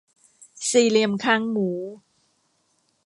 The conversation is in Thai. สี่เหลี่ยมคางหมู